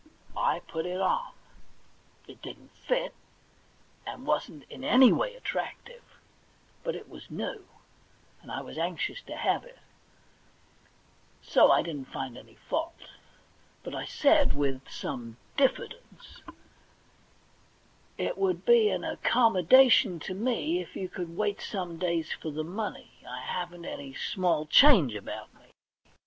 1 put it on. It didn't fit, and wasn't in any way attractive, but it was new, and I was anxious to have it ; so I didn't find any fault, but said with some diffidence :* It would be an accommodation to me if you could wait some days for the money. I haven't any small change about me.